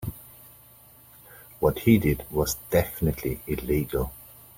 What he did was definitively illegal.